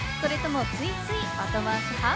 それとも、ついつい後回し派？